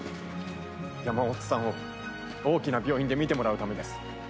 山本さんを大きな病院で診てもらうためです。